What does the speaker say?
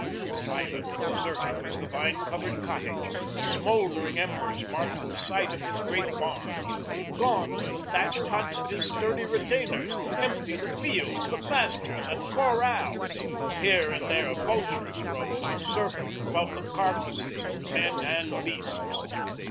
Silent and deserted was the vine covered cottage. Smoldering embers marked the site of his great barns. Gone were the thatched huts of his sturdy retainers, empty the fields, the pastures, and corrals. Here and there vultures rose and circled above the carcasses of men and beasts.